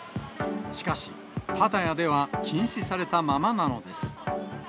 しかし、パタヤでは禁止されたままなのです。